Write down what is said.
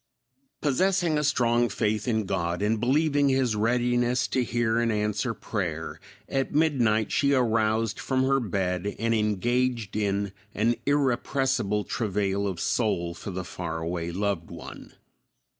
Possessing a strong faith in God, and believing his readiness to hear and answer prayer, at midnight she aroused from her bed and engaged in an irrepressible travail of soul for the far away loved one.